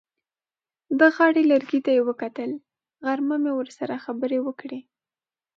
د غاړې لرګي ته یې کتل: غرمه مې ورسره خبرې وکړې.